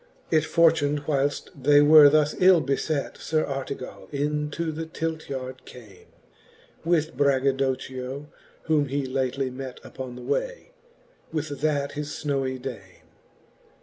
X. It fortun'd whyleft they were thus ill befet. Sir Artega// into the Tilt yard came, With BraggadocchiOj whom he lately met Upon the way, with that his fnowy dame.